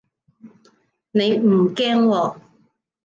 你唔驚喎